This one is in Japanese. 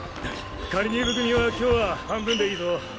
仮入部組は今日は半分でいいぞ。